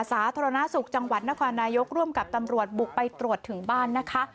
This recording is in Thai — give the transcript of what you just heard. สาธารณสุขจังหวัดนครนายกร่วมกับตำรวจบุกไปตรวจถึงบ้านนะคะ